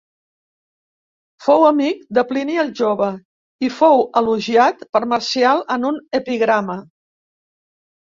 Fou amic de Plini el Jove i fou elogiat per Marcial en un epigrama.